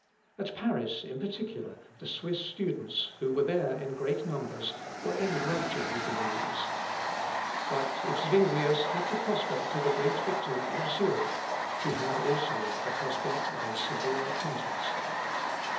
At Paris, in particular, the Swiss students, who were there in great numbers, were enraptured with the news. But if Zuinglius had the prospect of a great victory at Zurich, he had also the prospect of a severe contest.